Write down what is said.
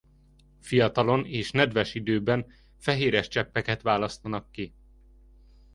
Fiatalon és nedves időben fehéres cseppeket választanak ki.